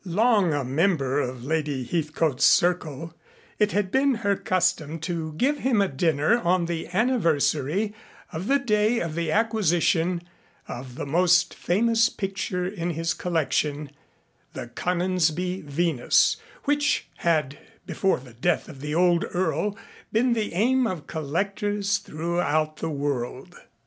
Long a member of Lady Heathcote's circle, it had been her custom to give him a dinner on the anniversary of the day of the acquisition of the most famous picture in his collection, "The Conningsby Venus," which had, before the death of the old Earl, been the aim of collectors throughout the world.